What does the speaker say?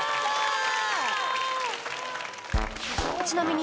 ちなみに